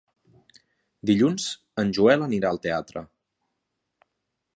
Dilluns en Joel anirà al teatre.